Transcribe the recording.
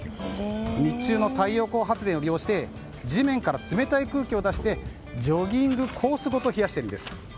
日中の太陽光発電を利用して地面から冷たい空気を出してジョギングコースごと冷やしているんです。